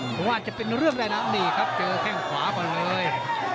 เหอะห้าว่าจะเป็นเรื่องได้นะนี่ครับเจอแก้งขวาพอเลย